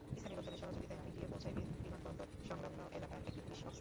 স্থানীয় লোকজনের সহযোগিতায় আমি গিয়ে পৌঁছাই বিমানবন্দর-সংলগ্ন এলাকার একটি পুলিশ বক্সে।